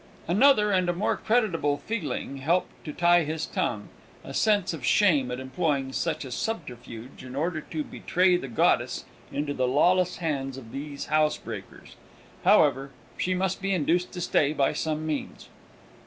Another and a more creditable feeling helped to tie his tongue a sense of shame at employing such a subterfuge in order to betray the goddess into the lawless hands of these housebreakers. However, she must be induced to stay by some means.